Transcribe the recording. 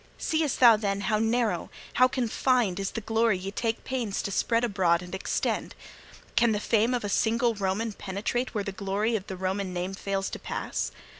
Seest thou, then, how narrow, how confined, is the glory ye take pains to spread abroad and extend! Can the fame of a single Roman penetrate where the glory of the Roman name fails to pass?